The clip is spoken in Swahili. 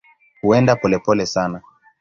Huenda polepole sana.